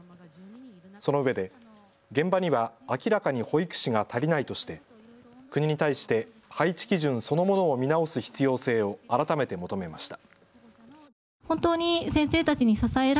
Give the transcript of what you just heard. そのうえで現場には明らかに保育士が足りないとして国に対して配置基準そのものを見直す必要性を改めて求めました。